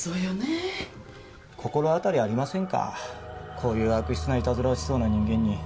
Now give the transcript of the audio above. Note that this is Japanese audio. こういう悪質なイタズラをしそうな人間に。